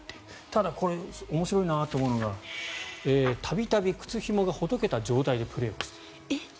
ただ面白いなと思うのが度々、靴ひもがほどけた状態でプレーをしている。